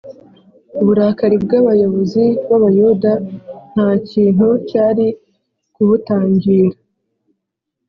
Uburakari bw’abayobozi b’Abayuda nta kintu cyari kubutangira.